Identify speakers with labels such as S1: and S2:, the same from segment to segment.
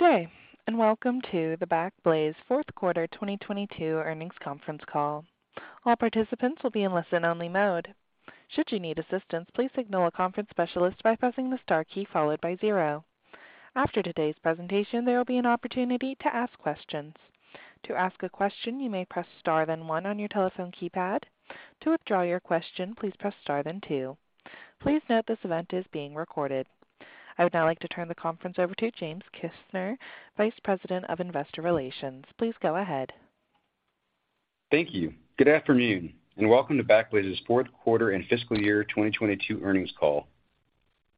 S1: Good day, and welcome to the Backblaze Fourth Quarter 2022 Earnings Conference Call. All participants will be in listen-only mode. Should you need assistance, please signal a conference specialist by pressing the star key followed by zero. After today's presentation, there will be an opportunity to ask questions. To ask a question, you may press star then one on your telephone keypad. To withdraw your question, please press star then two. Please note this event is being recorded. I would now like to turn the conference over to James Kisner, Vice President of Investor Relations. Please go ahead.
S2: Thank you. Good afternoon, and welcome to Backblaze's Fourth Quarter and Fiscal Year 2022 Earnings Call.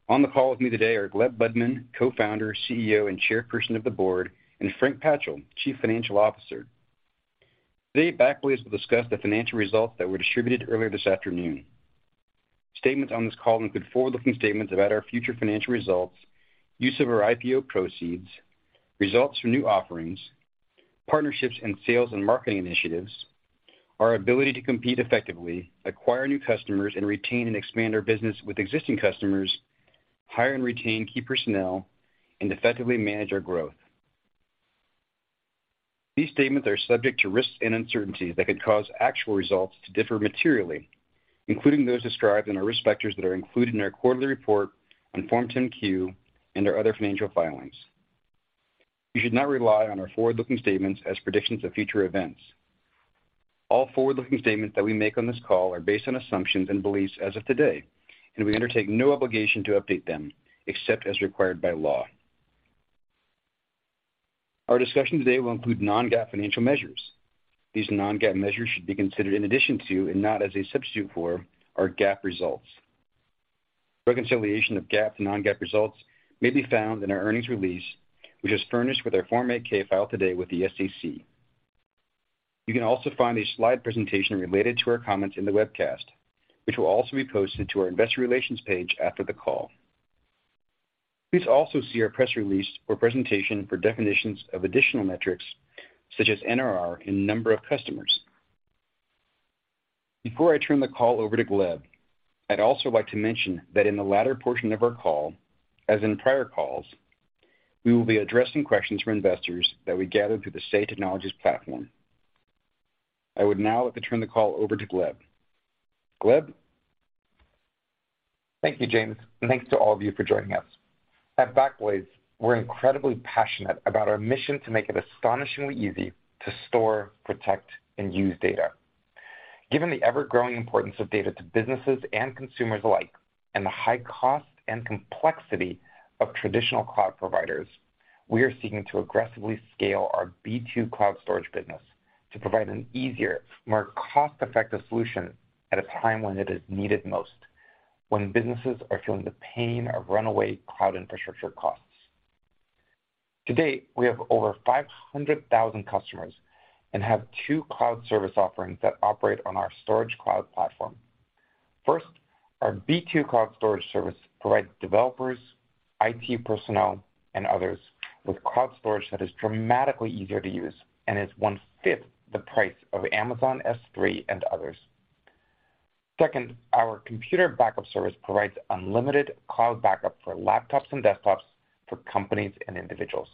S2: On the call with me today are Gleb Budman, Co-founder, CEO, and Chairperson of the Board, and Frank Patchel, Chief Financial Officer. Today, Backblaze will discuss the financial results that were distributed earlier this afternoon. Statements on this call include forward-looking statements about our future financial results, use of our IPO proceeds, results from new offerings, partnerships and sales and marketing initiatives, our ability to compete effectively, acquire new customers, and retain and expand our business with existing customers, hire and retain key personnel, and effectively manage our growth. These statements are subject to risks and uncertainties that could cause actual results to differ materially, including those described in our risk factors that are included in our quarterly report on Form 10-Q and our other financial filings. You should not rely on our forward-looking statements as predictions of future events. All forward-looking statements that we make on this call are based on assumptions and beliefs as of today, and we undertake no obligation to update them except as required by law. Our discussion today will include non-GAAP financial measures. These non-GAAP measures should be considered in addition to and not as a substitute for our GAAP results. Reconciliation of GAAP to non-GAAP results may be found in our earnings release, which is furnished with our Form 8-K filed today with the SEC. You can also find a slide presentation related to our comments in the webcast, which will also be posted to our investor relations page after the call. Please also see our press release or presentation for definitions of additional metrics, such as NRR and number of customers. Before I turn the call over to Gleb, I'd also like to mention that in the latter portion of our call, as in prior calls, we will be addressing questions from investors that we gathered through the SAY Technologies platform. I would now like to turn the call over to Gleb. Gleb?
S3: Thank you, James, and thanks to all of you for joining us. At Backblaze, we're incredibly passionate about our mission to make it astonishingly easy to store, protect, and use data. Given the ever-growing importance of data to businesses and consumers alike, and the high cost and complexity of traditional cloud providers, we are seeking to aggressively scale our B2 Cloud Storage business to provide an easier, more cost-effective solution at a time when it is needed most, when businesses are feeling the pain of runaway cloud infrastructure costs. To date, we have over 500,000 customers and have two cloud service offerings that operate on our storage cloud platform. First, our B2 Cloud Storage service provides developers, IT personnel, and others with cloud storage that is dramatically easier to use and is 1/5 the price of Amazon S3 and others. Second, our computer backup service provides unlimited cloud backup for laptops and desktops for companies and individuals.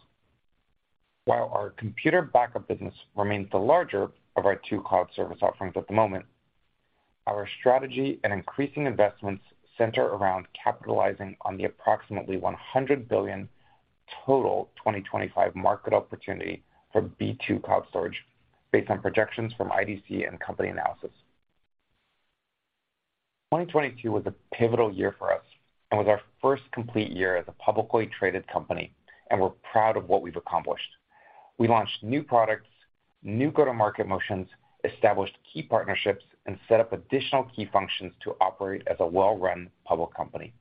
S3: While our computer backup business remains the larger of our two cloud service offerings at the moment, our strategy and increasing investments center around capitalizing on the approximately $100 billion total 2025 market opportunity for B2 Cloud Storage based on projections from IDC and company analysis. 2022 was a pivotal year for us and was our first complete year as a publicly traded company. We're proud of what we've accomplished. We launched new products, new go-to-market motions, established key partnerships, and set up additional key functions to operate as a well-run public company.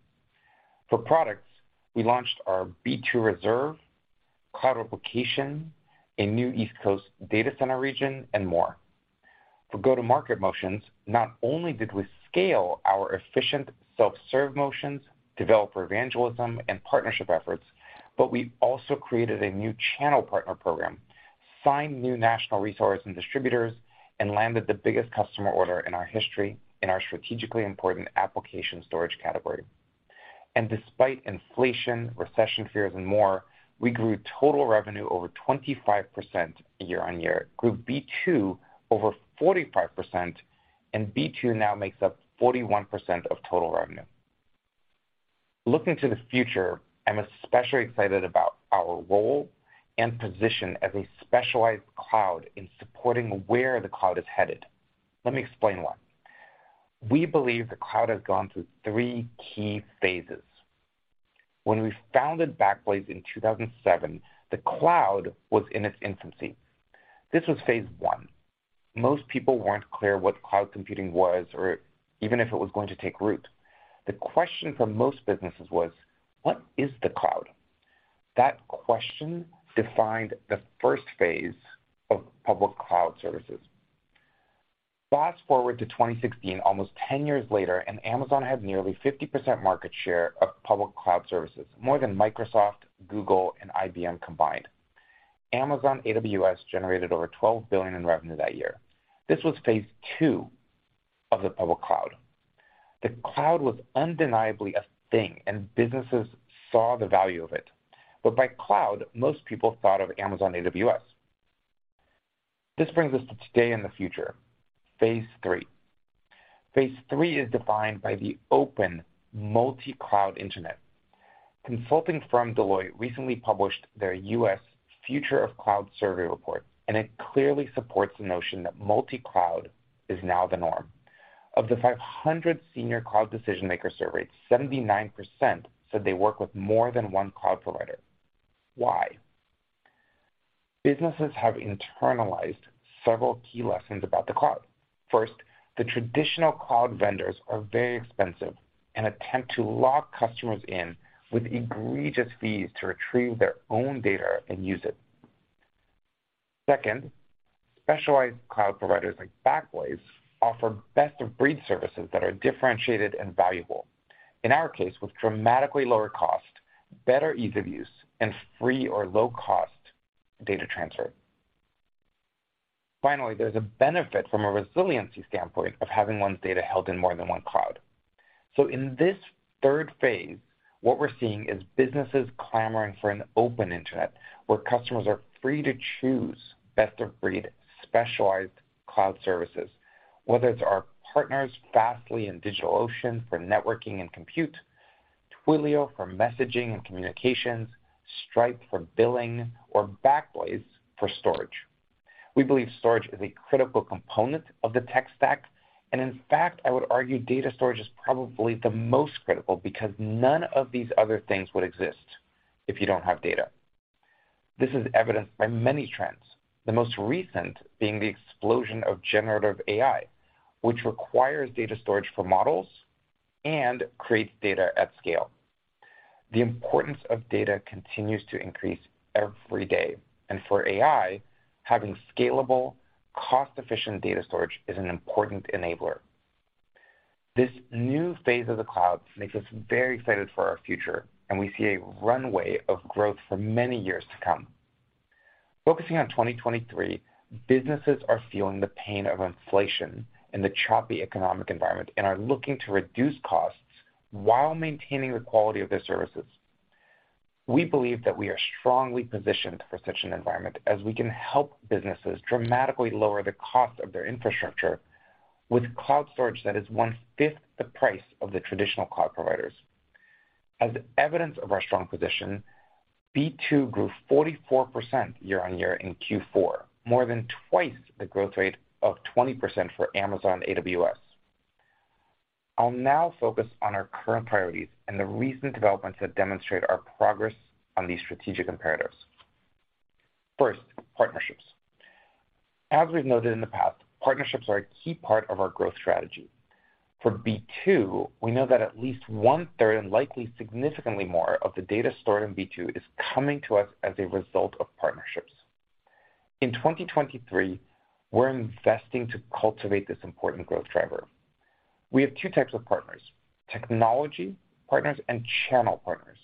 S3: For products, we launched our B2 Reserve, Cloud Replication, a new East Coast data center region, and more. For go-to-market motions, not only did we scale our efficient self-serve motions, developer evangelism, and partnership efforts, but we also created a new channel partner program, signed new national resource and distributors, and landed the biggest customer order in our history in our strategically important application storage category. Despite inflation, recession fears, and more, we grew total revenue over 25% year-on-year, grew B2 over 45%, B2 now makes up 41% of total revenue. Looking to the future, I'm especially excited about our role and position as a specialized cloud in supporting where the cloud is headed. Let me explain why. We believe the cloud has gone through three key phases. When we founded Backblaze in 2007, the cloud was in its infancy. This was phase one. Most people weren't clear what cloud computing was or even if it was going to take root. The question for most businesses was, "What is the cloud?" That question defined the first phase of public cloud services. Fast-forward to 2016, almost ten years later, and Amazon had nearly 50% market share of public cloud services, more than Microsoft, Google, and IBM combined. Amazon AWS generated over $12 billion in revenue that year. This was phase two of the public cloud. The cloud was undeniably a thing, and businesses saw the value of it. By cloud, most people thought of Amazon AWS. This brings us to today and the future, phase three. Phase three is defined by the open multi-cloud Internet. Consulting firm Deloitte recently published their U.S. Future of Cloud Survey Report, and it clearly supports the notion that multi-cloud is now the norm. Of the 500 senior cloud decision-makers surveyed, 79% said they work with more than one cloud provider. Why? Businesses have internalized several key lessons about the cloud. First, the traditional cloud vendors are very expensive and attempt to lock customers in with egregious fees to retrieve their own data and use it. Second, specialized cloud providers like Backblaze offer best-of-breed services that are differentiated and valuable, in our case, with dramatically lower cost, better ease of use, and free or low-cost data transfer. Finally, there's a benefit from a resiliency standpoint of having one's data held in more than one cloud. In this third phase, what we're seeing is businesses clamoring for an open internet where customers are free to choose best-of-breed specialized cloud services, whether it's our partners, Fastly and DigitalOcean for networking and compute, Twilio for messaging and communications, Stripe for billing or Backblaze for storage. We believe storage is a critical component of the tech stack, and in fact, I would argue data storage is probably the most critical because none of these other things would exist if you don't have data. This is evidenced by many trends, the most recent being the explosion of generative AI, which requires data storage for models and creates data at scale. The importance of data continues to increase every day, and for AI, having scalable, cost-efficient data storage is an important enabler. This new phase of the cloud makes us very excited for our future, and we see a runway of growth for many years to come. Focusing on 2023, businesses are feeling the pain of inflation and the choppy economic environment and are looking to reduce costs while maintaining the quality of their services. We believe that we are strongly positioned for such an environment as we can help businesses dramatically lower the cost of their infrastructure with cloud storage that is one-fifth the price of the traditional cloud providers. As evidence of our strong position, B2 grew 44% year-over-year in Q4, more than twice the growth rate of 20% for Amazon AWS. I'll now focus on our current priorities and the recent developments that demonstrate our progress on these strategic imperatives. First, partnerships. As we've noted in the past, partnerships are a key part of our growth strategy. For B2, we know that at least one-third, and likely significantly more of the data stored in B2 is coming to us as a result of partnerships. In 2023, we're investing to cultivate this important growth driver. We have 2 types of partners, technology partners and channel partners.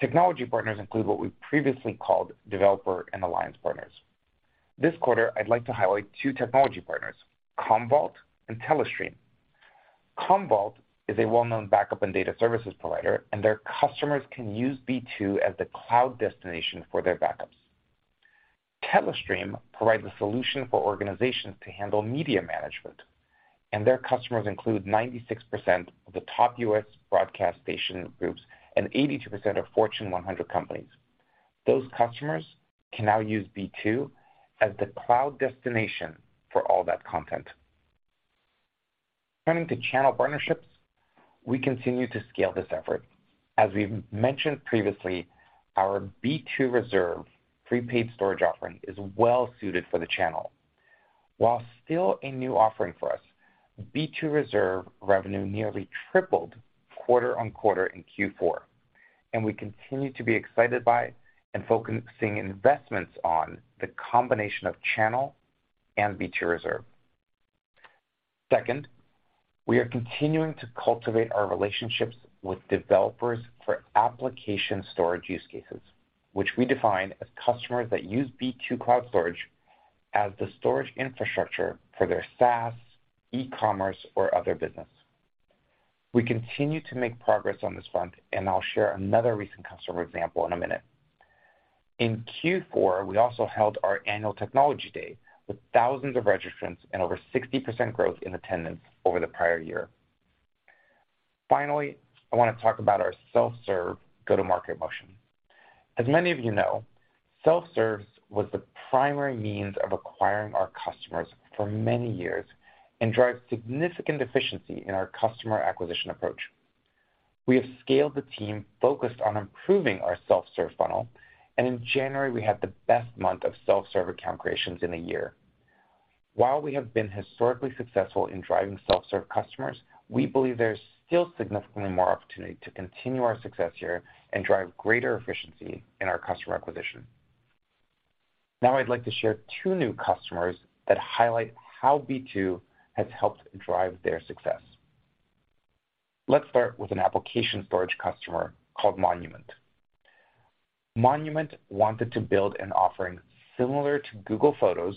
S3: Technology partners include what we previously called developer and alliance partners. This quarter, I'd like to highlight 2 technology partners, Commvault and Telestream. Commvault is a well-known backup and data services provider, and their customers can use B2 as the cloud destination for their backups. Telestream provides a solution for organizations to handle media management, and their customers include 96% of the top U.S. broadcast station groups and 82% of Fortune 100 companies. Those customers can now use B2 as the cloud destination for all that content. Turning to channel partnerships, we continue to scale this effort. As we've mentioned previously, our B2 Reserve prepaid storage offering is well suited for the channel. While still a new offering for us, B2 Reserve revenue nearly tripled quarter on quarter in Q4, and we continue to be excited by and focusing investments on the combination of channel and B2 Reserve. Second, we are continuing to cultivate our relationships with developers for application storage use cases, which we define as customers that use B2 Cloud Storage as the storage infrastructure for their SaaS, e-commerce, or other business. We continue to make progress on this front, and I'll share another recent customer example in a minute. In Q4, we also held our annual technology day with thousands of registrants and over 60% growth in attendance over the prior year. I want to talk about our self-serve go-to-market motion. As many of you know, self-serve was the primary means of acquiring our customers for many years and drives significant efficiency in our customer acquisition approach. We have scaled the team focused on improving our self-serve funnel. In January, we had the best month of self-serve account creations in a year. While we have been historically successful in driving self-serve customers, we believe there is still significantly more opportunity to continue our success here and drive greater efficiency in our customer acquisition. I'd like to share new new customers that highlight how B2 has helped drive their success. Let's start with an application storage customer called Monument. Monument wanted to build an offering similar to Google Photos,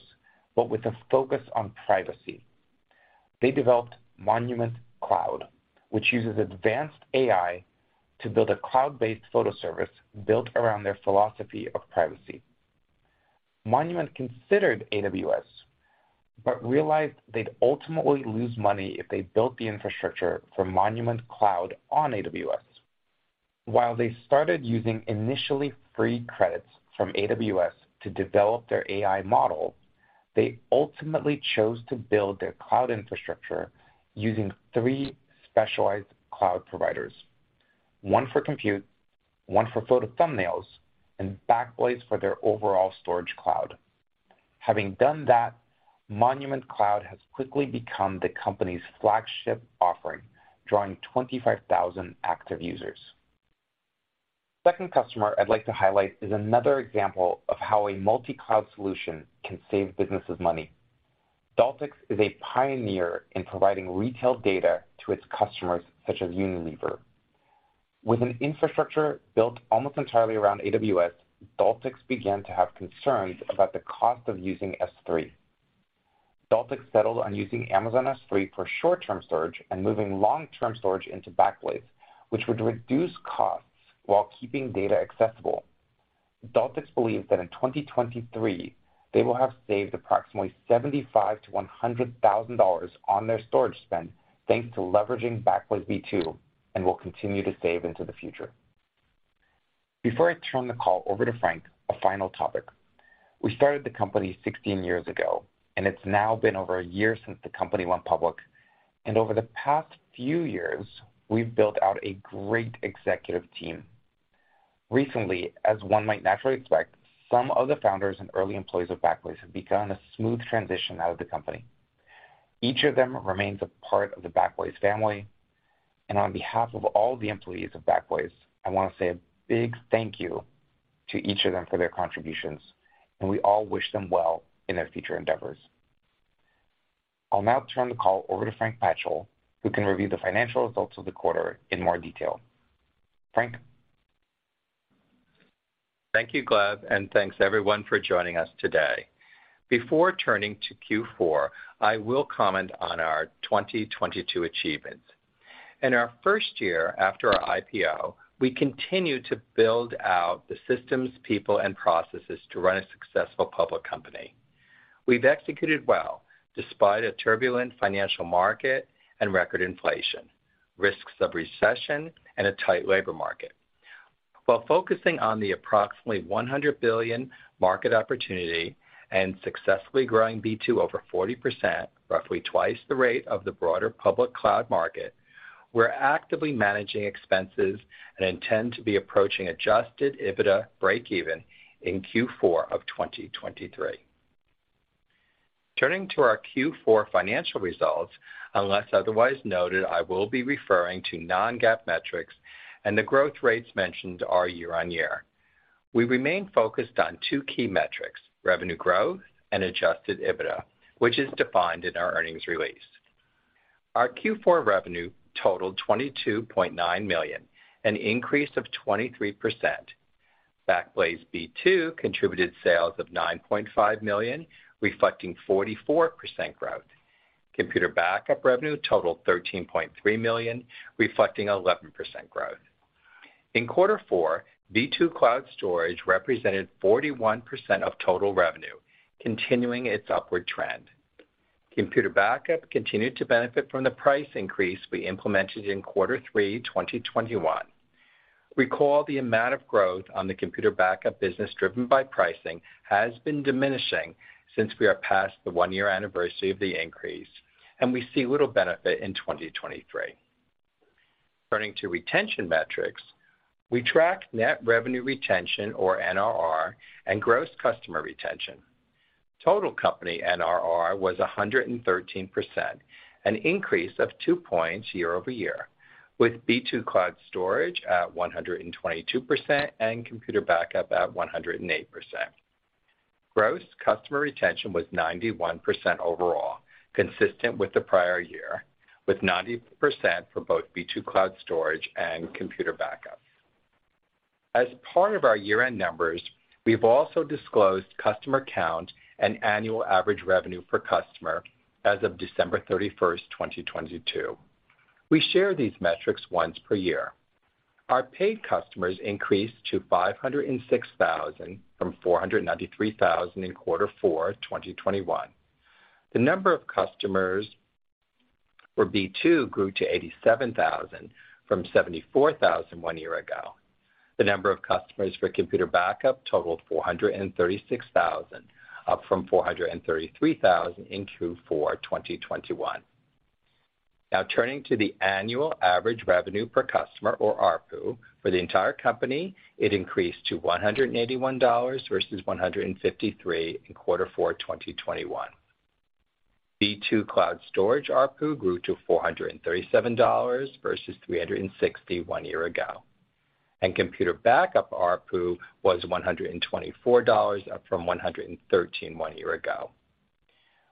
S3: but with a focus on privacy. They developed Monument Cloud, which uses advanced AI to build a cloud-based photo service built around their philosophy of privacy. Monument considered AWS, realized they'd ultimately lose money if they built the infrastructure for Monument Cloud on AWS. While they started using initially free credits from AWS to develop their AI model, they ultimately chose to build their cloud infrastructure using three specialized cloud providers, one for compute, one for photo thumbnails, and Backblaze for their overall storage cloud. Having done that, Monument Cloud has quickly become the company's flagship offering, drawing 25,000 active users. Second customer I'd like to highlight is another example of how a multi-cloud solution can save businesses money. Daltix is a pioneer in providing retail data to its customers, such as Unilever. With an infrastructure built almost entirely around AWS, Daltix began to have concerns about the cost of using S3. Daltix settled on using Amazon S3 for short-term storage and moving long-term storage into Backblaze, which would reduce costs while keeping data accessible. Daltix believes that in 2023, they will have saved approximately $75,000-$100,000 on their storage spend thanks to leveraging Backblaze B2 and will continue to save into the future. Before I turn the call over to Frank, a final topic. We started the company 16 years ago, and it's now been over one year since the company went public. Over the past few years, we've built out a great executive team. Recently, as one might naturally expect, some of the founders and early employees of Backblaze have begun a smooth transition out of the company. Each of them remains a part of the Backblaze family. On behalf of all the employees of Backblaze, I want to say a big thank you to each of them for their contributions. We all wish them well in their future endeavors. I'll now turn the call over to Frank Patchel, who can review the financial results of the quarter in more detail. Frank?
S4: Thank you, Gleb, and thanks everyone for joining us today. Before turning to Q4, I will comment on our 2022 achievements. In our first year after our IPO, we continued to build out the systems, people, and processes to run a successful public company. We've executed well despite a turbulent financial market and record inflation, risks of recession, and a tight labor market. While focusing on the approximately $100 billion market opportunity and successfully growing B2 over 40%, roughly twice the rate of the broader public cloud market, we're actively managing expenses and intend to be approaching adjusted EBITDA breakeven in Q4 of 2023. Turning to our Q4 financial results, unless otherwise noted, I will be referring to non-GAAP metrics, and the growth rates mentioned are year-on-year. We remain focused on 2 key metrics, revenue growth and adjusted EBITDA, which is defined in our earnings release. Our Q4 revenue totaled $22.9 million, an increase of 23%. Backblaze B2 contributed sales of $9.5 million, reflecting 44% growth. Computer backup revenue totaled $13.3 million, reflecting 11% growth. In Q4, B2 Cloud Storage represented 41% of total revenue, continuing its upward trend. Computer backup continued to benefit from the price increase we implemented in Q3 2021. Recall the amount of growth on the computer backup business driven by pricing has been diminishing since we are past the one-year anniversary of the increase, and we see little benefit in 2023. Turning to retention metrics, we track net revenue retention, or NRR, and gross customer retention. Total company NRR was 113%, an increase of 2 points year-over-year, with B2 Cloud Storage at 122% and computer backup at 108%. Gross customer retention was 91% overall, consistent with the prior year, with 90% for both B2 Cloud Storage and computer backup. As part of our year-end numbers, we've also disclosed customer count and annual average revenue per customer as of December 31, 2022. We share these metrics once per year. Our paid customers increased to 506,000 from 493,000 in quarter four 2021. The number of customers for B2 grew to 87,000 from 74,000 one year ago. The number of customers for computer backup totaled 436,000, up from 433,000 in Q4 2021. Now turning to the annual average revenue per customer, or ARPU, for the entire company, it increased to $181 versus $153 in Q4 2021. B2 Cloud Storage ARPU grew to $437 versus $361 one year ago. Computer backup ARPU was $124, up from $113 one year ago.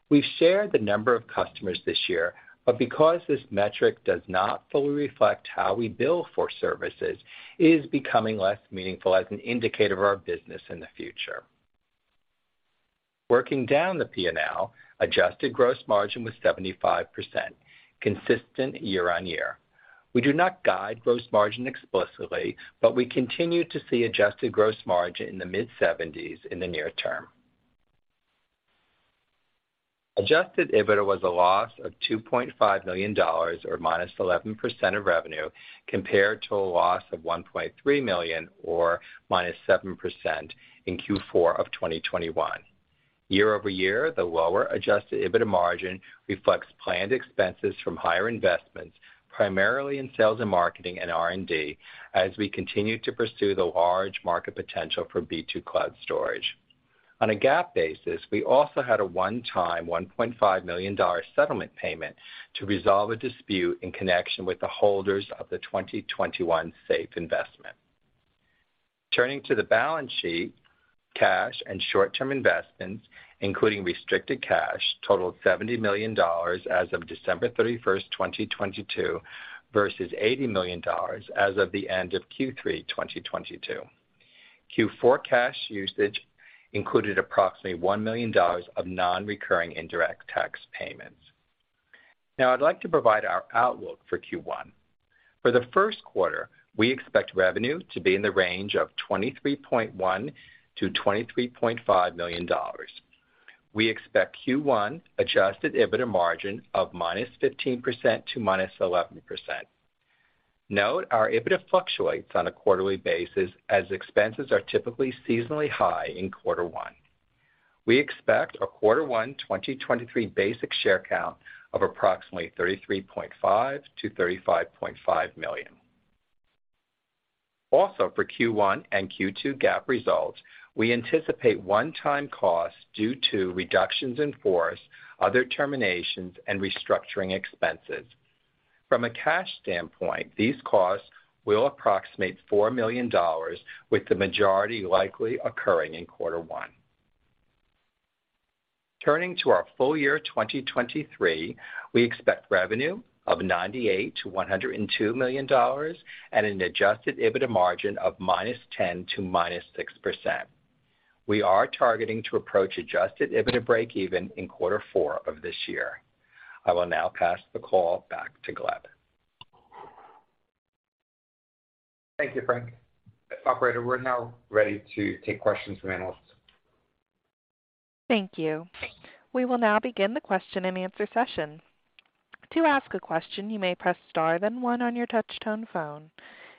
S4: We've shared the number of customers this year, but because this metric does not fully reflect how we bill for services, it is becoming less meaningful as an indicator of our business in the future. Working down the P&L, adjusted gross margin was 75%, consistent year-over-year. We do not guide gross margin explicitly, but we continue to see adjusted gross margin in the mid-70s in the near term. Adjusted EBITDA was a loss of $2.5 million or -11% of revenue, compared to a loss of $1.3 million or -7% in Q4 of 2021. Year-over-year, the lower adjusted EBITDA margin reflects planned expenses from higher investments, primarily in sales and marketing and R&D, as we continue to pursue the large market potential for B2 Cloud Storage. On a GAAP basis, we also had a one-time $1.5 million settlement payment to resolve a dispute in connection with the holders of the 2021 SAFE investment. Turning to the balance sheet, cash and short-term investments, including restricted cash, totaled $70 million as of December 31st, 2022, versus $80 million as of the end of Q3 2022. Q4 cash usage included approximately $1 million of non-recurring indirect tax payments. Now I'd like to provide our outlook for Q1. For the first quarter, we expect revenue to be in the range of $23.1 million-$23.5 million. We expect Q1 adjusted EBITDA margin of -15% to -11%. Note, our EBITDA fluctuates on a quarterly basis as expenses are typically seasonally high in quarter one. We expect a quarter one 2023 basic share count of approximately 33.5 million-35.5 million. Also, for Q1 and Q2 GAAP results, we anticipate one-time costs due to reductions in force, other terminations, and restructuring expenses. From a cash standpoint, these costs will approximate $4 million, with the majority likely occurring in quarter one. Turning to our full year 2023, we expect revenue of $98 million-$102 million and an adjusted EBITDA margin of -10% to -6%. We are targeting to approach adjusted EBITDA breakeven in quarter four of this year. I will now pass the call back to Gleb.
S3: Thank you, Frank. Operator, we're now ready to take questions from analysts.
S1: Thank you. We will now begin the question and answer session. To ask a question, you may press star then one on your touch tone phone.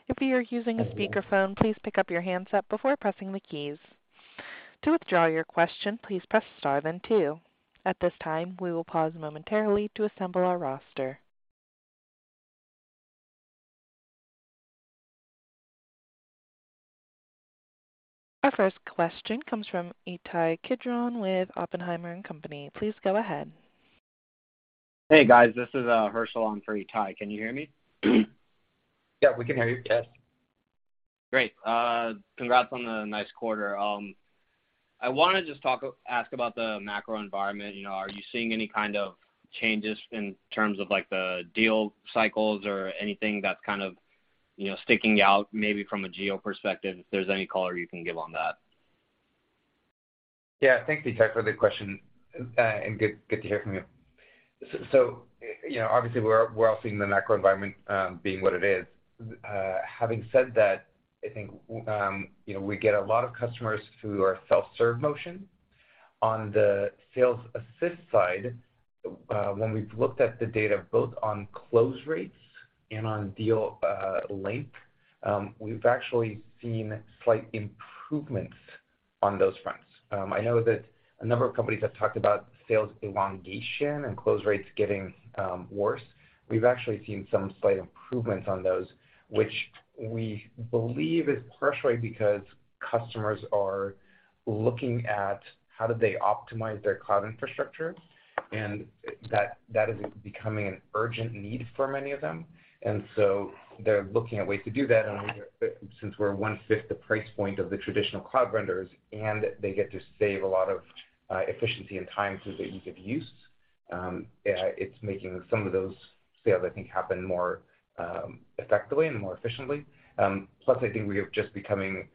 S1: If you are using a speakerphone, please pick up your handset before pressing the keys. To withdraw your question, please press star then two. At this time, we will pause momentarily to assemble our roster. Our first question comes from Ittai Kidron with Oppenheimer & Co. Please go ahead.
S5: Hey, guys, this is Hersch on for Ittai. Can you hear me?
S3: Yeah, we can hear you, Hersch.
S5: Great. congrats on the nice quarter. I wanna just ask about the macro environment. You know, are you seeing any kind of changes in terms of like the deal cycles or anything that's kind of, you know, sticking out maybe from a geo perspective, if there's any color you can give on that?
S3: Yeah. Thanks, Ittai, for the question, and good to hear from you. You know, obviously we're all seeing the macro environment being what it is. Having said that, I think, you know, we get a lot of customers through our self-serve motion. On the sales assist side, when we've looked at the data both on close rates and on deal length, we've actually seen slight improvements on those fronts. I know that a number of companies have talked about sales elongation and close rates getting worse. We've actually seen some slight improvements on those, which we believe is partially because customers are looking at how do they optimize their cloud infrastructure, and that is becoming an urgent need for many of them. They're looking at ways to do that. Since we're one-fifth the price point of the traditional cloud vendors and they get to save a lot of efficiency and time through the ease of use, it's making some of those sales, I think, happen more effectively and more efficiently. Plus, I think we are just becoming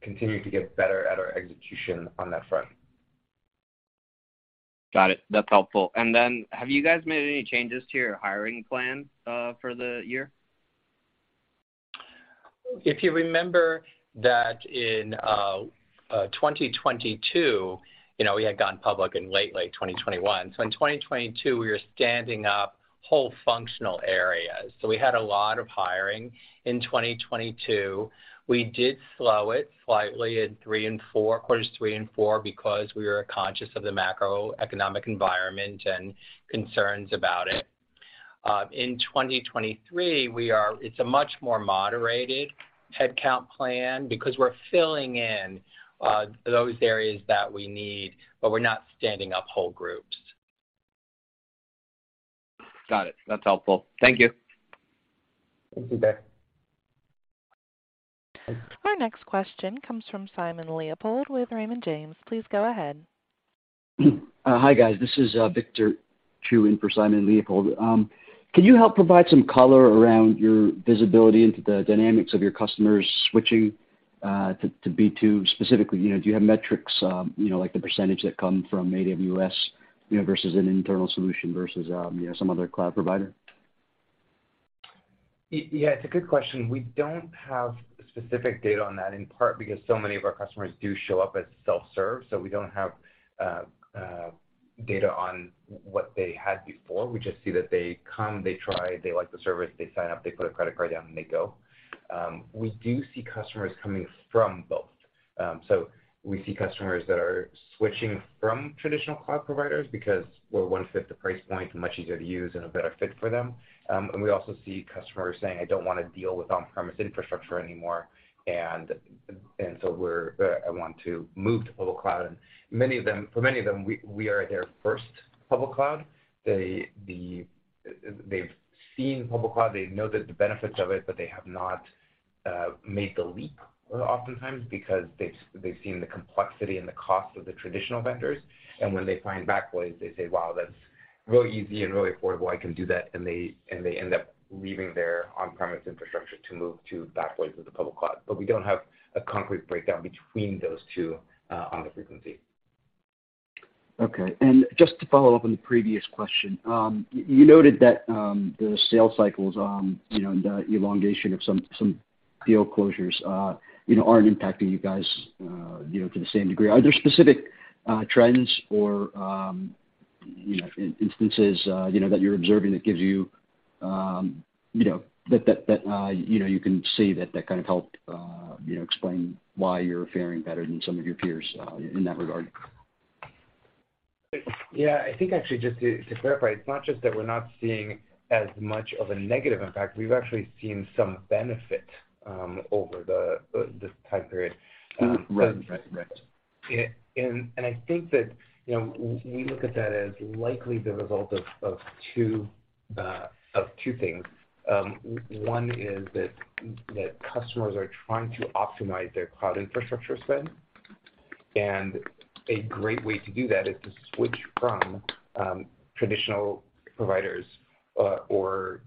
S3: continuing to get better at our execution on that front.
S5: Got it. That's helpful. Have you guys made any changes to your hiring plan for the year?
S4: If you remember that in 2022, you know, we had gone public in late 2021. In 2022, we were standing up whole functional areas. We had a lot of hiring in 2022. We did slow it slightly in three and four, quarters three and four, because we were conscious of the macroeconomic environment and concerns about it. In 2023, it's a much more moderated headcount plan because we're filling in those areas that we need, but we're not standing up whole groups.
S5: Got it. That's helpful. Thank you.
S3: Thank you, Ben.
S1: Our next question comes from Simon Leopold with Raymond James. Please go ahead.
S6: Hi, guys. This is Victor Chiu in for Simon Leopold. Can you help provide some color around your visibility into the dynamics of your customers switching to B2 specifically? You know, do you have metrics, you know, like the percentage that come from AWS, you know, versus an internal solution versus, you know, some other cloud provider?
S3: Yeah, it's a good question. We don't have specific data on that, in part because so many of our customers do show up as self-serve, so we don't have data on what they had before. We just see that they come, they try, they like the service, they sign up, they put a credit card down, and they go. We do see customers coming from both. So we see customers that are switching from traditional cloud providers because we're one-fifth the price point, much easier to use, and a better fit for them. We also see customers saying, "I don't wanna deal with on-premise infrastructure anymore, and so I want to move to public cloud." For many of them, we are their first public cloud. They've seen public cloud, they know the benefits of it, but they have not made the leap oftentimes because they've seen the complexity and the cost of the traditional vendors. When they find Backblaze, they say, "Wow, that's really easy and really affordable. I can do that." They end up leaving their on-premise infrastructure to move to Backblaze as a public cloud. We don't have a concrete breakdown between those two on the frequency.
S6: Okay. Just to follow up on the previous question, you noted that, the sales cycles, you know, and the elongation of some deal closures, you know, aren't impacting you guys, you know, to the same degree. Are there specific trends or, you know, instances, you know, that you're observing that gives you know, that, you can see that kind of helped, you know, explain why you're faring better than some of your peers, in that regard?
S3: Yeah. I think actually just to clarify, it's not just that we're not seeing as much of a negative impact, we've actually seen some benefit over this time period.
S6: Right. Right, right.
S3: I think that, you know, we look at that as likely the result of two things. One is that customers are trying to optimize their cloud infrastructure spend, and a great way to do that is to switch from traditional providers or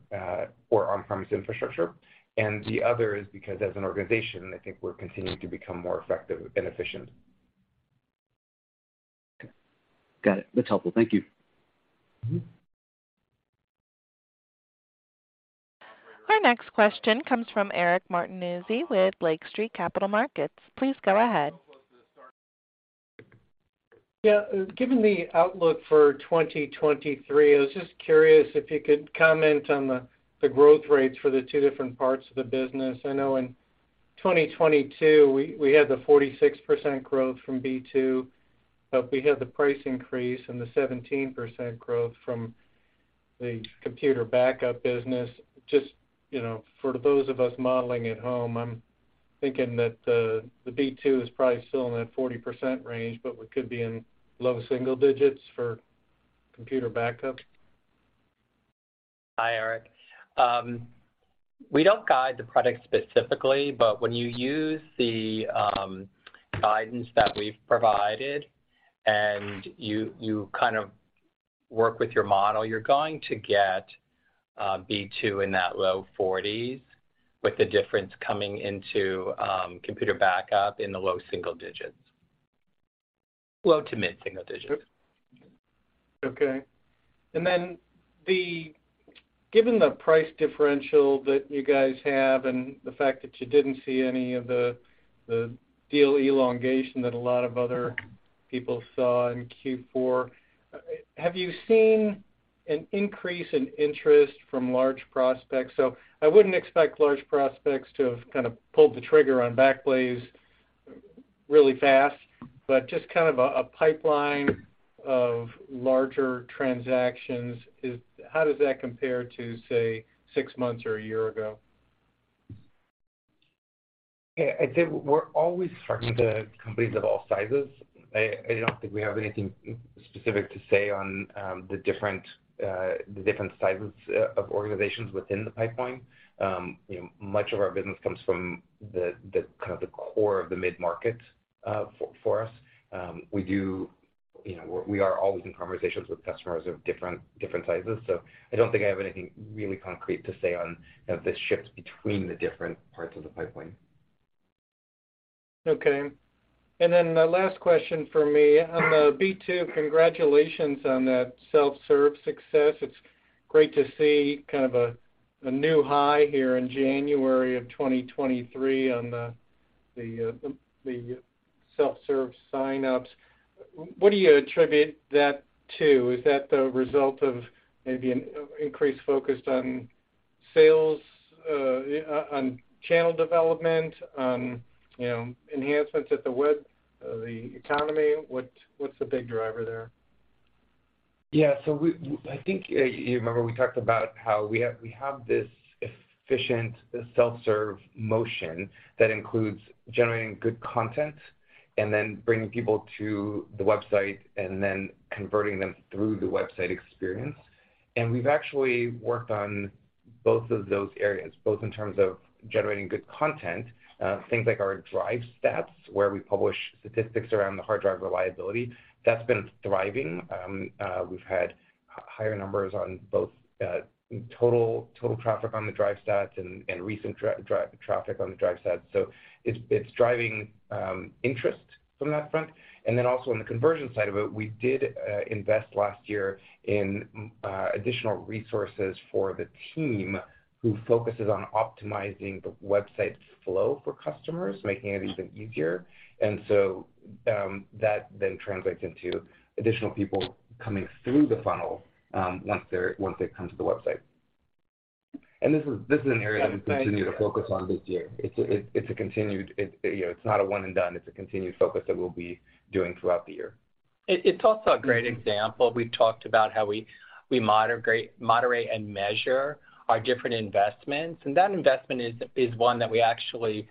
S3: on-premise infrastructure. The other is because as an organization, I think we're continuing to become more effective and efficient.
S6: Okay. Got it. That's helpful. Thank you.
S1: Our next question comes from Eric Martinuzzi with Lake Street Capital Markets. Please go ahead.
S7: Yeah. Given the outlook for 2023, I was just curious if you could comment on the growth rates for the two different parts of the business. I know in 2022, we had the 46% growth from B2, but we had the price increase and the 17% growth from the computer backup business. Just, you know, for those of us modeling at home, I'm thinking that the B2 is probably still in that 40% range, but we could be in low single digits for computer backup.
S4: Hi, Eric. We don't guide the product specifically, but when you use the guidance that we've provided and you kind of work with your model, you're going to get B2 in that low forties, with the difference coming into computer backup in the low single digits. Low to mid-single digits.
S7: Okay. Given the price differential that you guys have and the fact that you didn't see any of the deal elongation that a lot of other people saw in Q4, have you seen an increase in interest from large prospects? I wouldn't expect large prospects to have kind of pulled the trigger on Backblaze really fast, but just kind of a pipeline of larger transactions. How does that compare to, say, six months or a year ago?
S3: I'd say we're always talking to companies of all sizes. I don't think we have anything specific to say on the different sizes of organizations within the pipeline. You know, much of our business comes from the kind of the core of the mid-market for us. We do, you know, we are always in conversations with customers of different sizes. I don't think I have anything really concrete to say on the shifts between the different parts of the pipeline.
S7: Okay. The last question from me. On the B2, congratulations on that self-serve success. It's great to see kind of a new high here in January of 2023 on the self-serve signups. What do you attribute that to? Is that the result of maybe an increased focus on sales, on channel development, on, you know, enhancements at the web, the economy? What, what's the big driver there?
S3: Yeah. I think you remember we talked about how we have this efficient self-serve motion that includes generating good content and then bringing people to the website and then converting them through the website experience. We've actually worked on both of those areas, both in terms of generating good content, things like our Drive Stats, where we publish statistics around the hard drive reliability, that's been thriving. We've had higher numbers on both total traffic on the Drive Stats and recent traffic on the Drive Stats. It's driving interest from that front. Also on the conversion side of it, we did invest last year in additional resources for the team who focuses on optimizing the website's flow for customers, making it even easier. That then translates into additional people coming through the funnel, once they come to the website. This is an area that we continue to focus on this year. It's a continued, you know, it's not a one and done, it's a continued focus that we'll be doing throughout the year.
S4: It's also a great example. We've talked about how we moderate, and measure our different investments, and that investment is one that we actually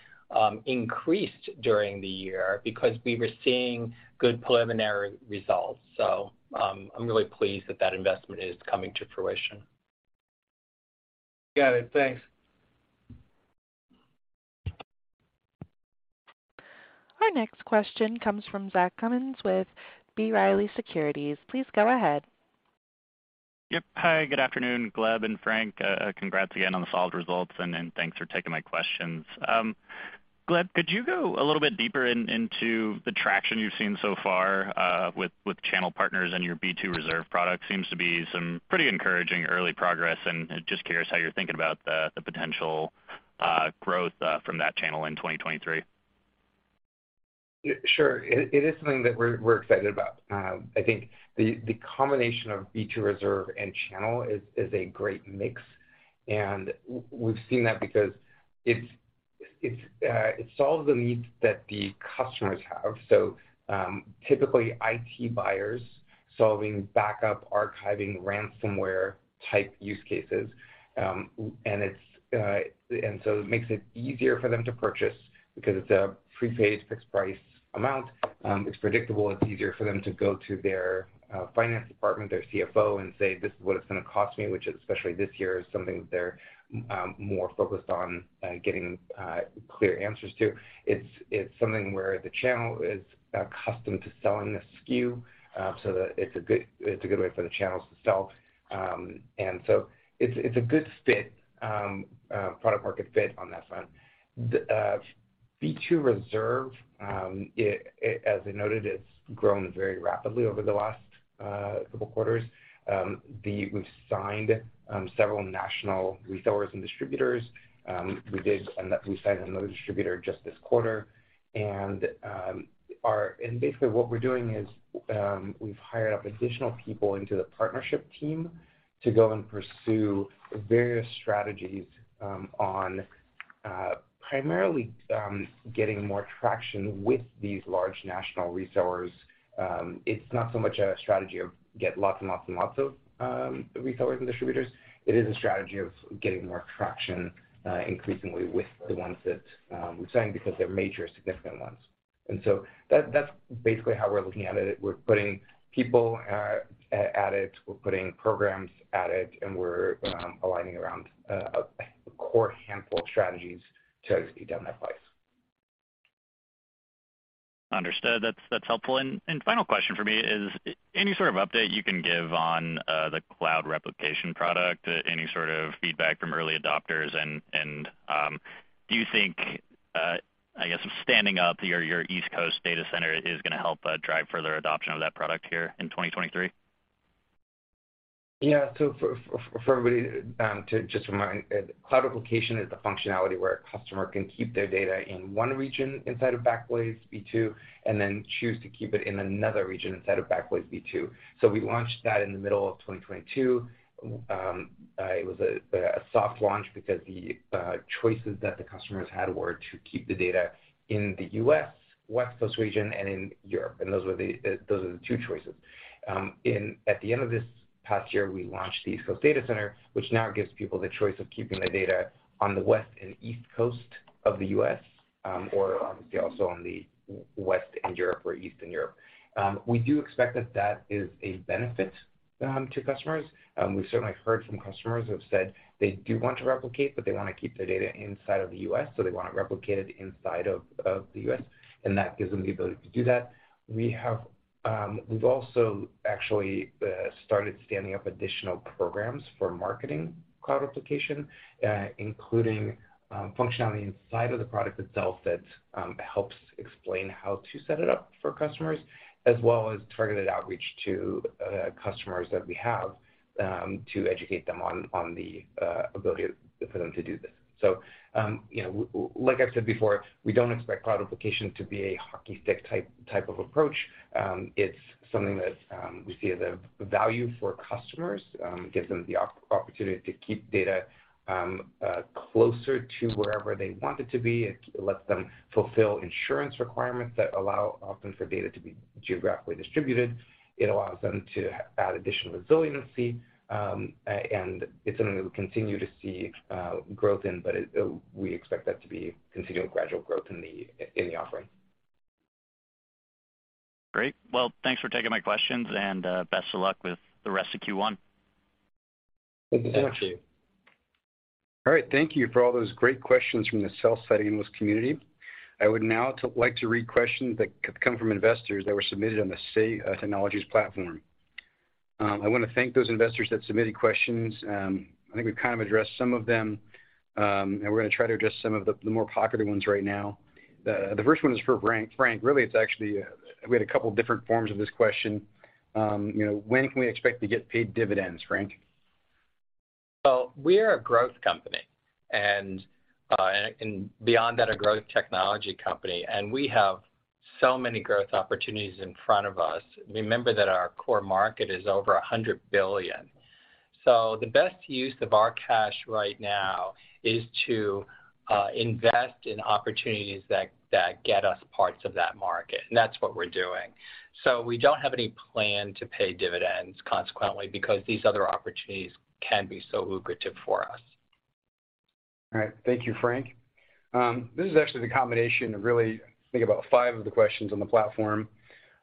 S4: increased during the year because we were seeing good preliminary results. I'm really pleased that that investment is coming to fruition.
S7: Got it. Thanks.
S1: Our next question comes from Zach Cummins with B. Riley Securities. Please go ahead.
S8: Yep. Hi, good afternoon, Gleb and Frank. Congrats again on the solid results and thanks for taking my questions. Gleb, could you go a little bit deeper into the traction you've seen so far with channel partners and your B2 Reserve product? Seems to be some pretty encouraging early progress. Just curious how you're thinking about the potential growth from that channel in 2023.
S3: Sure. It is something that we're excited about. I think the combination of B2 Reserve and channel is a great mix, and we've seen that because it solves the needs that the customers have. Typically IT buyers solving backup, archiving, ransomware-type use cases. It makes it easier for them to purchase because it's a prepaid fixed price amount. It's predictable. It's easier for them to go to their finance department, their CFO, and say, "This is what it's gonna cost me," which especially this year, is something that they're more focused on getting clear answers to. It's something where the channel is accustomed to selling the SKU, so that it's a good way for the channels to sell. It's a good fit, product market fit on that front. B2 Reserve, as I noted, it's grown very rapidly over the last 2 quarters. We've signed several national retailers and distributors. We signed another distributor just this quarter. Basically what we're doing is, we've hired up additional people into the partnership team to go and pursue various strategies, primarily getting more traction with these large national resellers. It's not so much a strategy of get lots and lots and lots of resellers and distributors. It is a strategy of getting more traction, increasingly with the ones that we're saying because they're major significant ones. That's basically how we're looking at it. We're putting people at it, we're putting programs at it, we're aligning around a core handful of strategies to speed down that place.
S8: Understood. That's helpful. Final question for me is any sort of update you can give on the Cloud Replication product? Any sort of feedback from early adopters? Do you think, I guess standing up your East Coast data center is gonna help drive further adoption of that product here in 2023?
S3: For everybody, to just remind, Cloud Replication is the functionality where a customer can keep their data in one region inside of Backblaze B2 and then choose to keep it in another region inside of Backblaze B2. We launched that in the middle of 2022. It was a soft launch because the choices that the customers had were to keep the data in the U.S. West Coast region and in Europe, and those were the two choices. At the end of this past year, we launched the East Coast data center, which now gives people the choice of keeping their data on the West and East Coast of the U.S., or obviously also on the West and Europe or Eastern Europe. We do expect that that is a benefit to customers. We've certainly heard from customers who have said they do want to replicate, but they want to keep their data inside of the U.S., so they want it replicated inside of the U.S., and that gives them the ability to do that. We have also actually started standing up additional programs for marketing Cloud Replication, including functionality inside of the product itself that helps explain how to set it up for customers, as well as targeted outreach to customers that we have to educate them on the ability for them to do this. You know, like I've said before, we don't expect Cloud Replication to be a hockey stick type of approach. It's something that we see as a value for customers. It gives them the opportunity to keep data, closer to wherever they want it to be. It lets them fulfill insurance requirements that allow often for data to be geographically distributed. It allows them to add additional resiliency, and it's something that we continue to see, growth in, but it we expect that to be continuing gradual growth in the offering.
S8: Great. Well, thanks for taking my questions, and best of luck with the rest of Q1.
S3: Thanks so much.
S4: Thank you.
S2: All right. Thank you for all those great questions from the sell-side analyst community. I would now like to read questions that come from investors that were submitted on the SAY Technologies platform. I want to thank those investors that submitted questions. I think we've kind of addressed some of them, and we're gonna try to address some of the more popular ones right now. The first one is for Frank. Really, it's actually, we had a couple different forms of this question. You know, when can we expect to get paid dividends, Frank?
S4: Well, we are a growth company, and beyond that, a growth technology company, and we have so many growth opportunities in front of us. Remember that our core market is over $100 billion. The best use of our cash right now is to invest in opportunities that get us parts of that market, and that's what we're doing. We don't have any plan to pay dividends consequently because these other opportunities can be so lucrative for us.
S2: All right. Thank you, Frank Patchel. This is actually the combination of really, I think about 5 of the questions on the platform.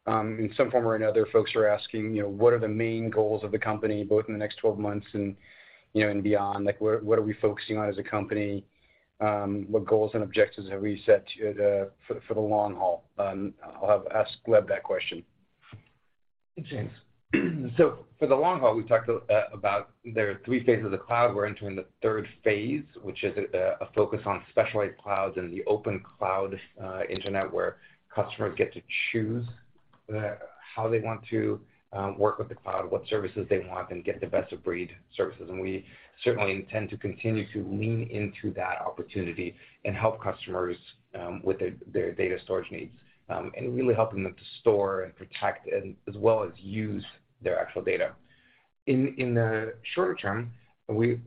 S2: In some form or another, folks are asking, you know, what are the main goals of the company, both in the next 12 months and, you know, and beyond. Like, what are, what are we focusing on as a company? What goals and objectives have we set for the long haul? I'll have ask Gleb that question.
S3: Thanks. For the long haul, we've talked about there are three phases of the cloud. We're entering the third phase, which is a focus on specialized clouds and the open cloud internet where customers get to choose how they want to work with the cloud, what services they want, and get the best of breed services. We certainly intend to continue to lean into that opportunity and help customers with their data storage needs and really helping them to store and protect as well as use their actual data. In the shorter term, we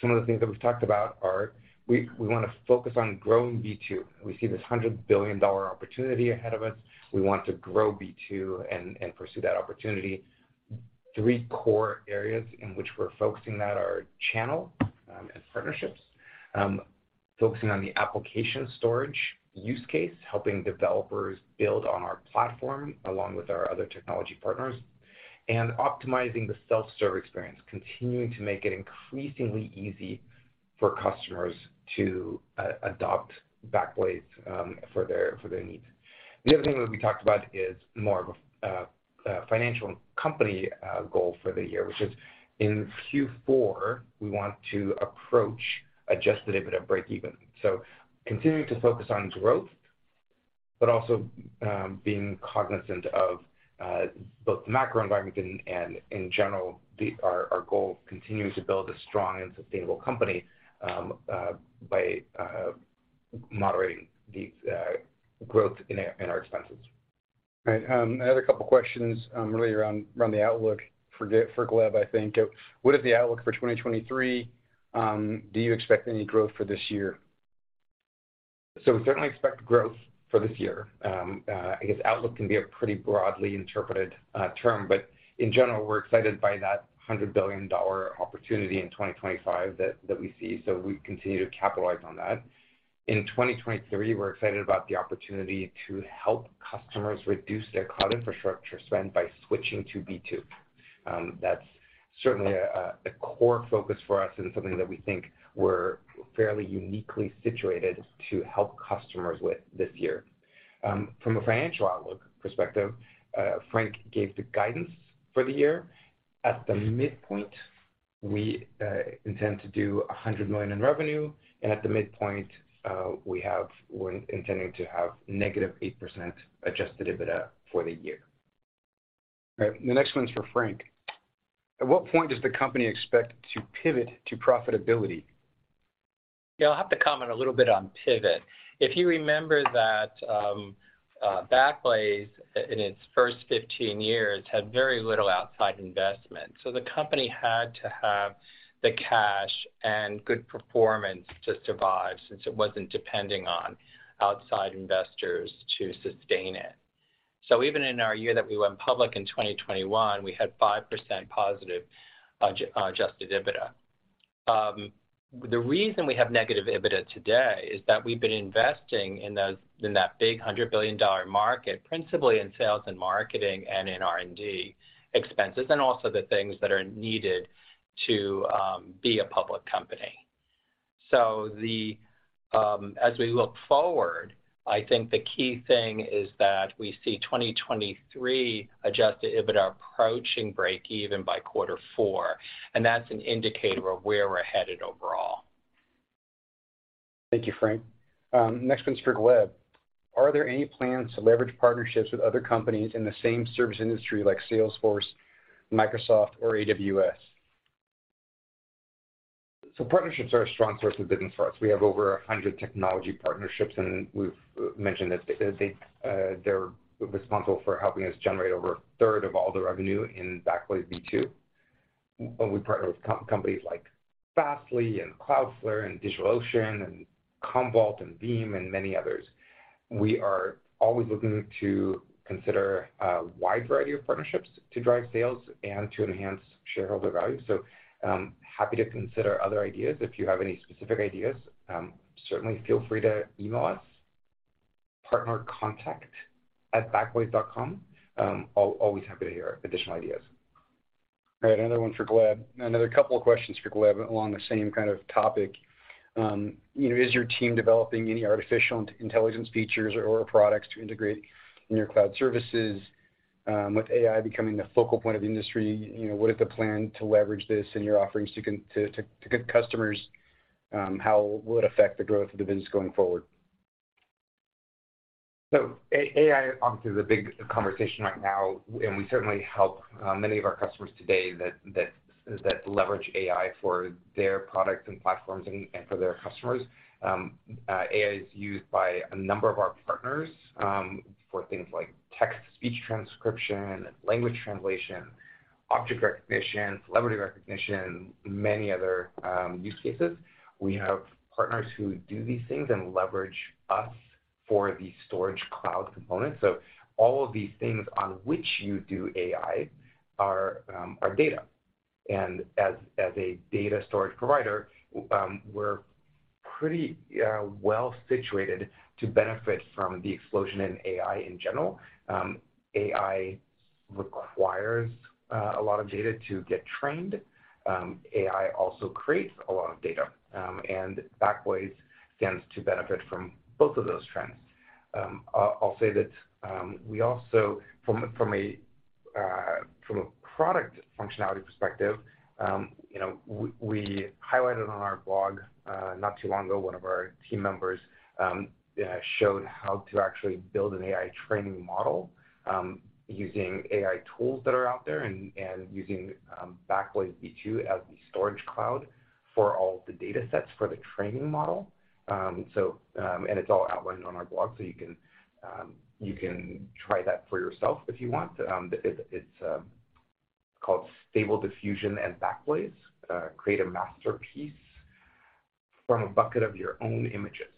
S3: some of the things that we've talked about are we wanna focus on growing B2. We see this $100 billion opportunity ahead of us. We want to grow B2 and pursue that opportunity. Three core areas in which we're focusing that are channel, and partnerships, focusing on the application storage use case, helping developers build on our platform along with our other technology partners, and optimizing the self-serve experience, continuing to make it increasingly easy for customers to adopt Backblaze for their, for their needs. The other thing that we talked about is more of a financial company goal for the year, which is in Q4, we want to approach adjusted EBITDA breakeven. Continuing to focus on growth, but also being cognizant of both the macro environment and in general, our goal continuing to build a strong and sustainable company by moderating the growth in our expenses.
S2: All right. I had a couple questions, really around the outlook for Gleb, I think. What is the outlook for 2023? Do you expect any growth for this year?
S3: We certainly expect growth for this year. I guess outlook can be a pretty broadly interpreted term. In general, we're excited by that $100 billion opportunity in 2025 that we see, so we continue to capitalize on that. In 2023, we're excited about the opportunity to help customers reduce their cloud infrastructure spend by switching to B2. That's certainly a core focus for us and something that we think we're fairly uniquely situated to help customers with this year. From a financial outlook perspective, Frank gave the guidance for the year. At the midpoint, we intend to do $100 million in revenue, and at the midpoint, we're intending to have -8% adjusted EBITDA for the year.
S2: All right. The next one's for Frank. At what point does the company expect to pivot to profitability?
S4: Yeah. I'll have to comment a little bit on pivot. If you remember that, Backblaze in its first 15 years had very little outside investment, so the company had to have the cash and good performance to survive since it wasn't depending on outside investors to sustain it. Even in our year that we went public in 2021, we had +5% adjusted EBITDA. The reason we have negative EBITDA today is that we've been investing in that big $100 billion market, principally in sales and marketing and in R&D expenses, and also the things that are needed to be a public company. The, as we look forward, I think the key thing is that we see 2023 adjusted EBITDA approaching breakeven by Q4, and that's an indicator of where we're headed overall.
S2: Thank you, Frank. Next one's for Gleb. Are there any plans to leverage partnerships with other companies in the same service industry like Salesforce, Microsoft, or AWS?
S3: Partnerships are a strong source of business for us. We have over 100 technology partnerships, and we've mentioned that they're responsible for helping us generate over 1/3 of all the revenue in Backblaze B2. We partner with companies like Fastly and Cloudflare and DigitalOcean and Commvault and Veeam and many others. We are always looking to consider a wide variety of partnerships to drive sales and to enhance shareholder value. Happy to consider other ideas. If you have any specific ideas, certainly feel free to email us partnercontact@backblaze.com. I'll always happy to hear additional ideas.
S2: All right, another one for Gleb. Another couple of questions for Gleb along the same kind of topic. You know, is your team developing any artificial intelligence features or products to integrate in your cloud services? With AI becoming the focal point of the industry, you know, what is the plan to leverage this in your offerings to customers, how will it affect the growth of the business going forward?
S3: AI obviously is a big conversation right now, and we certainly help many of our customers today that leverage AI for their products and platforms and for their customers. AI is used by a number of our partners for things like text-speech transcription, language translation, object recognition, celebrity recognition, many other use cases. We have partners who do these things and leverage us for the storage cloud component. All of these things on which you do AI are data. As a data storage provider, we're pretty well-situated to benefit from the explosion in AI in general. AI requires a lot of data to get trained. AI also creates a lot of data. Backblaze stands to benefit from both of those trends. I'll say that we also from a product functionality perspective, you know, we highlighted on our blog not too long ago, one of our team members showed how to actually build an AI training model using AI tools that are out there and using Backblaze B2 as the storage cloud for all the data sets for the training model. It's all outlined on our blog, so you can try that for yourself if you want. It's called Stable Diffusion and Backblaze: Create a masterpiece from a bucket of your own images.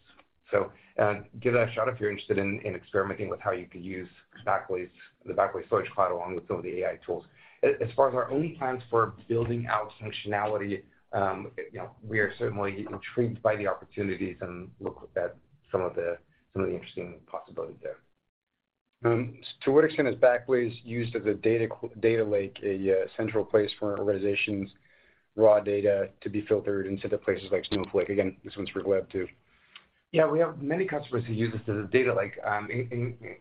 S3: Give that a shot if you're interested in experimenting with how you could use Backblaze, the Backblaze storage cloud along with some of the AI tools. As far as our own plans for building out functionality, you know, we are certainly intrigued by the opportunities and look at some of the interesting possibilities there.
S2: To what extent is Backblaze used as a data lake, a central place for an organization's raw data to be filtered into the places like Snowflake? This one's for Gleb too.
S3: Yeah, we have many customers who use us as a data lake.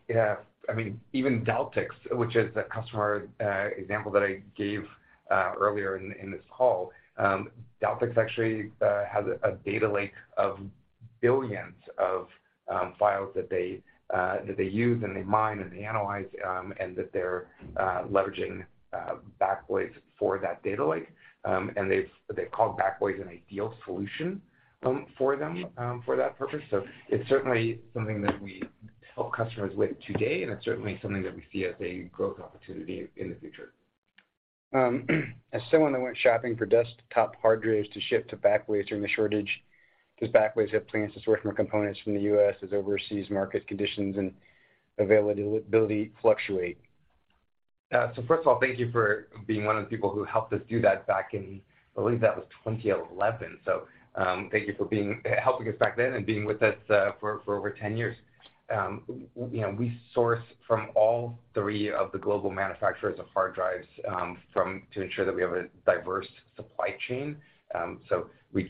S3: Yeah, I mean, even Daltix, which is the customer example that I gave earlier in this call, Daltix actually has a data lake of billions of files that they that they use, and they mine, and they analyze, and that they're leveraging Backblaze for that data lake. They've called Backblaze an ideal solution for them for that purpose. It's certainly something that we help customers with today, and it's certainly something that we see as a growth opportunity in the future.
S2: As someone that went shopping for desktop hard drives to ship to Backblaze during the shortage, does Backblaze have plans to source more components from the U.S. as overseas market conditions and availability fluctuate?
S3: First of all, thank you for being one of the people who helped us do that back in, I believe that was 2011. Thank you for helping us back then and being with us for over 10 years. We, you know, we source from all three of the global manufacturers of hard drives to ensure that we have a diverse supply chain.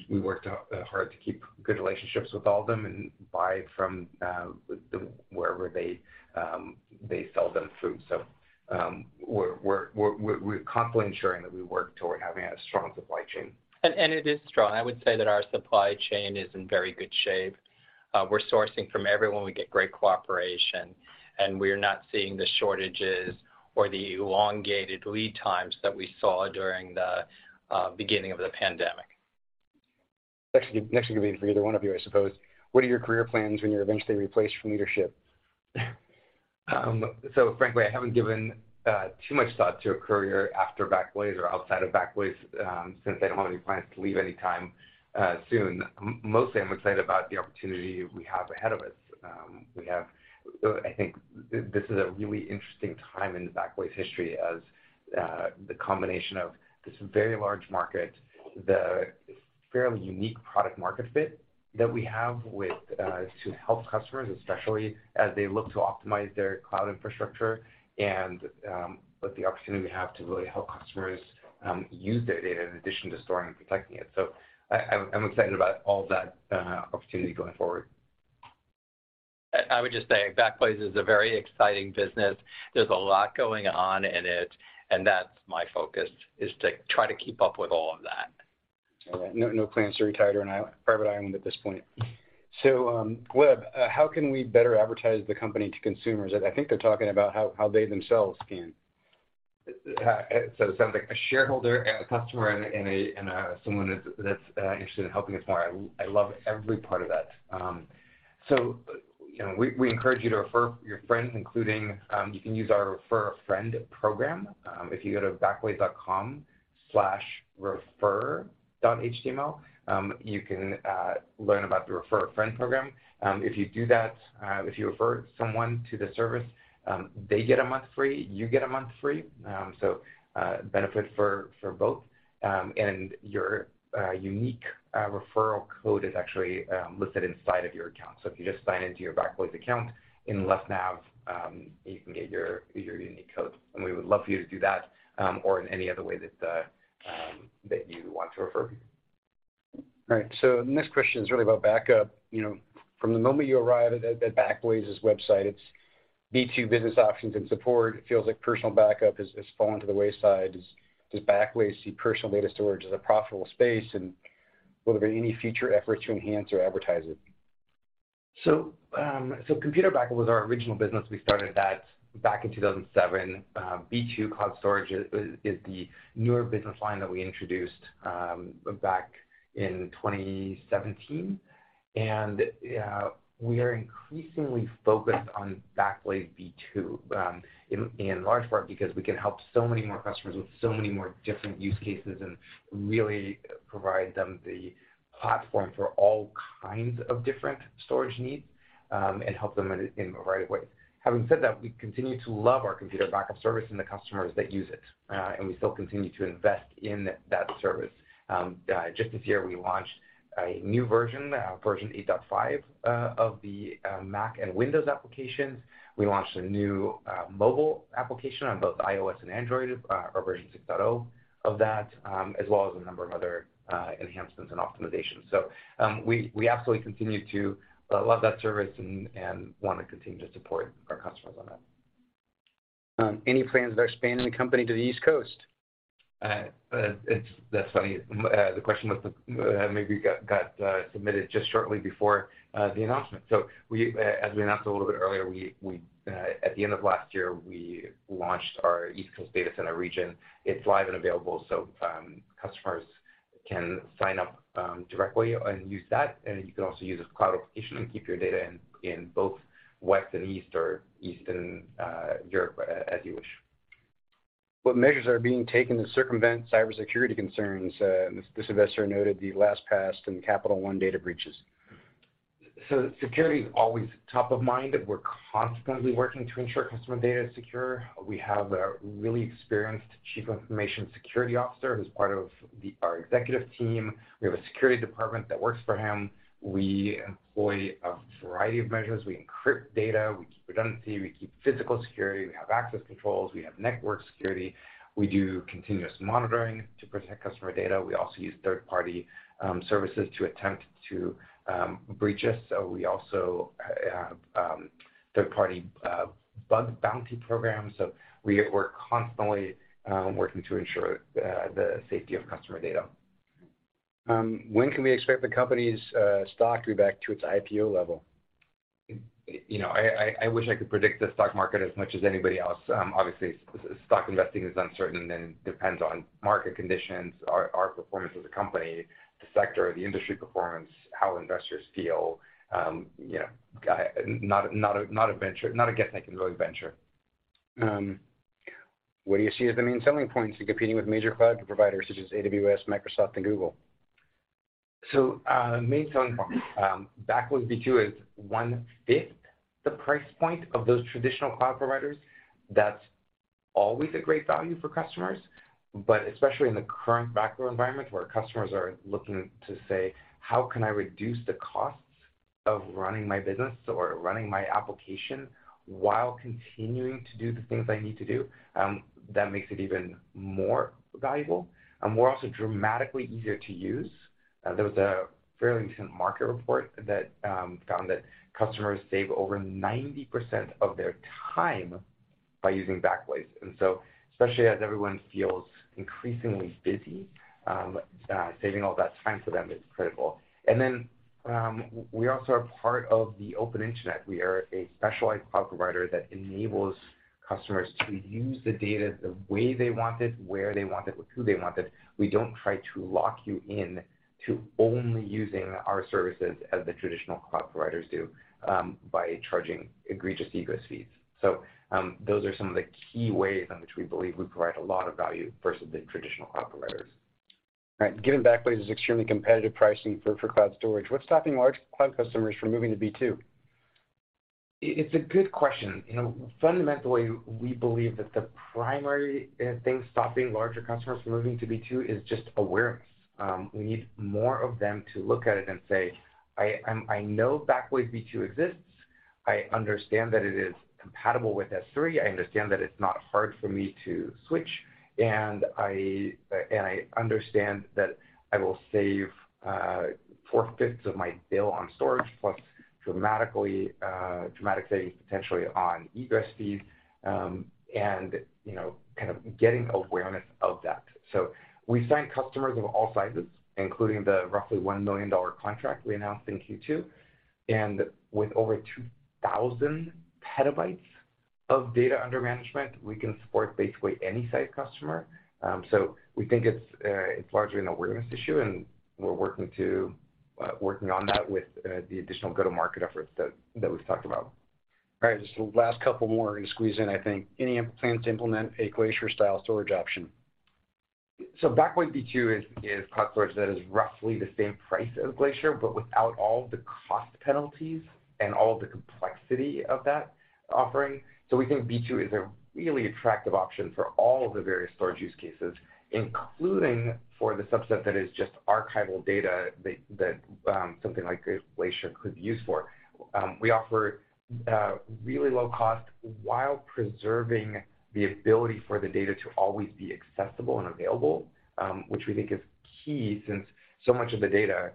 S3: We worked hard to keep good relationships with all of them and buy from wherever they sell them through. We're constantly ensuring that we work toward having a strong supply chain.
S4: It is strong. I would say that our supply chain is in very good shape. We're sourcing from everyone. We get great cooperation, and we're not seeing the shortages or the elongated lead times that we saw during the beginning of the pandemic.
S2: Next can be for either one of you, I suppose. What are your career plans when you're eventually replaced from leadership?
S3: Frankly, I haven't given too much thought to a career after Backblaze or outside of Backblaze, since I don't have any plans to leave any time soon. Mostly I'm excited about the opportunity we have ahead of us. We have I think this is a really interesting time in Backblaze history as the combination of this very large market, the fairly unique product market fit that we have with to help customers, especially as they look to optimize their cloud infrastructure and with the opportunity we have to really help customers use their data in addition to storing and protecting it. I'm excited about all that opportunity going forward.
S4: I would just say Backblaze is a very exciting business. There's a lot going on in it, and that's my focus, is to try to keep up with all of that.
S2: All right. No, no plans to retire on a island, private island at this point. Gleb, how can we better advertise the company to consumers? I think they're talking about how they themselves can.
S3: It sounds like a shareholder and a customer and someone that's interested in helping us more. I love every part of that. You know, we encourage you to refer your friends including, you can use our Refer a Friend program. If you go to backblaze.com/refer.html, you can learn about the Refer a Friend program. If you do that, if you refer someone to the service, they get a month free, you get a month free. Benefit for both. Your unique referral code is actually listed inside of your account. If you just sign into your Backblaze account in the left nav, you can get your unique code. We would love for you to do that, or in any other way that you want to refer.
S2: All right, the next question is really about backup. You know, from the moment you arrive at Backblaze's website, it's B2 business options and support. It feels like personal backup has fallen to the wayside. Does Backblaze see personal data storage as a profitable space, and will there be any future efforts to enhance or advertise it?
S3: Computer backup was our original business. We started that back in 2007. B2 Cloud Storage is the newer business line that we introduced back in 2017. We are increasingly focused on Backblaze B2 in large part because we can help so many more customers with so many more different use cases and really provide them the platform for all kinds of different storage needs and help them in the right way. Having said that, we continue to love our computer backup service and the customers that use it, and we still continue to invest in that service. Just this year, we launched a new version 8.5 of the Mac and Windows applications. We launched a new mobile application on both iOS and Android, our version 6.0 of that, as well as a number of other enhancements and optimizations. We absolutely continue to love that service and wanna continue to support our customers on that.
S2: Any plans of expanding the company to the East Coast?
S3: That's funny. The question was, maybe got submitted just shortly before the announcement. As we announced a little bit earlier, we at the end of last year, we launched our East Coast data center region. It's live and available, so customers can sign up directly and use that. You can also use a cloud application and keep your data in both West and East or East and Europe as you wish.
S2: What measures are being taken to circumvent cybersecurity concerns? This investor noted the LastPass and Capital One data breaches.
S3: Security is always top of mind. We're constantly working to ensure customer data is secure. We have a really experienced chief information security officer who's part of our executive team. We have a security department that works for him. We employ a variety of measures. We encrypt data. We keep redundancy. We keep physical security. We have access controls. We have network security. We do continuous monitoring to protect customer data. We also use third-party services to attempt to breach us. We also have third-party bug bounty programs. We're constantly working to ensure the safety of customer data.
S2: When can we expect the company's stock to be back to its IPO level?
S3: You know, I wish I could predict the stock market as much as anybody else. obviously stock investing is uncertain and depends on market conditions, our performance as a company, the sector, the industry performance, how investors feel. you know, not a venture, not a guess I can really venture.
S2: What do you see as the main selling points in competing with major cloud providers such as AWS, Microsoft, and Google?
S3: Main selling point, Backblaze B2 is 1/5 the price point of those traditional cloud providers. That's always a great value for customers, but especially in the current macro environment, where customers are looking to say, "How can I reduce the costs of running my business or running my application while continuing to do the things I need to do?" That makes it even more valuable. We're also dramatically easier to use. There was a fairly recent market report that found that customers save over 90% of their time by using Backblaze. Especially as everyone feels increasingly busy, saving all that time for them is critical. We also are part of the open internet. We are a specialized cloud provider that enables customers to use the data the way they want it, where they want it, with who they want it. We don't try to lock you in to only using our services as the traditional cloud providers do, by charging egregious egress fees. Those are some of the key ways in which we believe we provide a lot of value versus the traditional cloud providers.
S2: Right. Given Backblaze's extremely competitive pricing for cloud storage, what's stopping large cloud customers from moving to B2?
S3: It's a good question. You know, fundamentally, we believe that the primary thing stopping larger customers from moving to B2 is just awareness. We need more of them to look at it and say, "I know Backblaze B2 exists. I understand that it is compatible with S3. I understand that it's not hard for me to switch, and I understand that I will save four-fifths of my bill on storage, plus dramatically dramatic savings potentially on egress fees," and, you know, kind of getting awareness of that. We sign customers of all sizes, including the roughly $1 million contract we announced in Q2. With over 2,000 petabytes of data under management, we can support basically any size customer. We think it's largely an awareness issue, and we're working on that with the additional go-to-market efforts that we've talked about.
S2: All right, just last couple more to squeeze in, I think. Any plans to implement a Glacier-style storage option?
S3: Backblaze B2 is cloud storage that is roughly the same price as Glacier, but without all the cost penalties and all the complexity of that offering. We think B2 is a really attractive option for all of the various storage use cases, including for the subset that is just archival data that something like Glacier could be used for. We offer really low cost while preserving the ability for the data to always be accessible and available, which we think is key since so much of the data,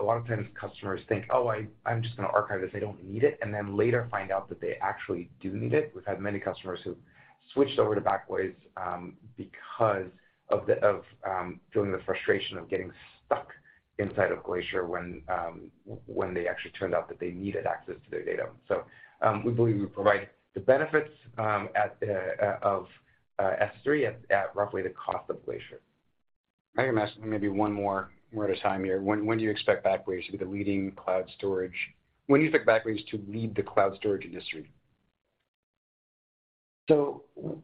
S3: a lot of times customers think, "Oh, I'm just gonna archive this. I don't need it," and then later find out that they actually do need it. We've had many customers who switched over to Backblaze, because of the feeling the frustration of getting stuck inside of Glacier when they actually turned out that they needed access to their data. We believe we provide the benefits at of S3 at roughly the cost of Glacier.
S2: I have maybe one more, more at a time here. When do you expect Backblaze to lead the cloud storage industry?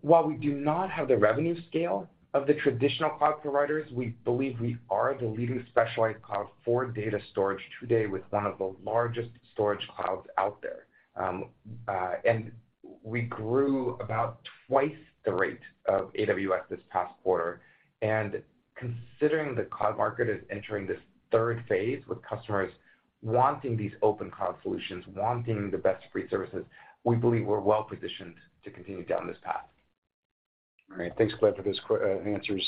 S3: While we do not have the revenue scale of the traditional cloud providers, we believe we are the leading specialized cloud for data storage today with one of the largest storage clouds out there. We grew about twice the rate of AWS this past quarter. Considering the cloud market is entering this third phase, with customers wanting these open cloud solutions, wanting the best breed services, we believe we're well-positioned to continue down this path.
S2: All right. Thanks, Gleb, for those answers.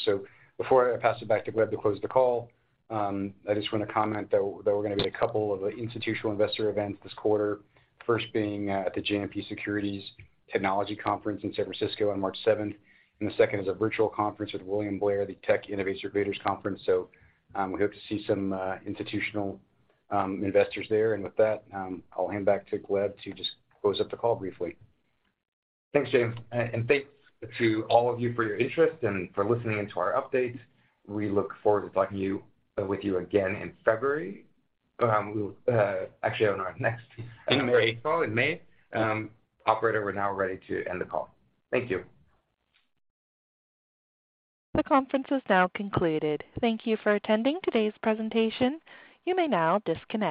S2: Before I pass it back to Gleb to close the call, I just want to comment that we're gonna be at a couple of institutional investor events this quarter. First being at the JMP Securities Technology Conference in San Francisco on March seventh, and the second is a virtual conference with William Blair, the Tech Innovators Conference. We hope to see some institutional investors there. With that, I'll hand back to Gleb to just close up the call briefly.
S3: Thanks, James. Thanks to all of you for your interest and for listening in to our update. We look forward to talking with you again in February. We will actually on our next call in May. Operator, we're now ready to end the call. Thank you.
S1: The conference is now concluded. Thank you for attending today's presentation. You may now disconnect.